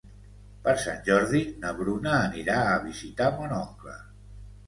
Per Sant Jordi na Bruna anirà a visitar mon oncle.